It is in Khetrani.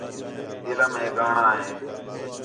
علم ہے ڳاہݨاں ہے